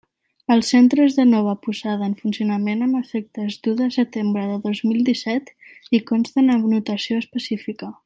Els centres de nova posada en funcionament amb efectes d'u de setembre de dos mil disset hi consten amb anotació específica.